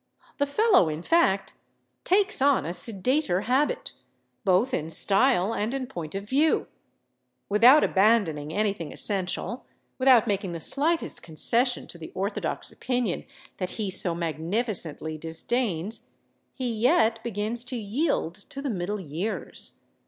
The fellow, in fact, takes on a sedater habit, both in style and in point of view. Without abandoning anything essential, without making the slightest concession to the orthodox opinion that he so magnificently disdains, he yet begins to yield to the middle years.